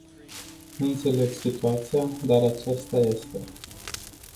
Nu înțeleg situația, dar aceasta este.